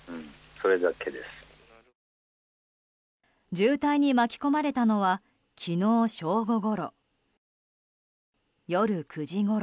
渋滞に巻き込まれたのは昨日正午ごろ。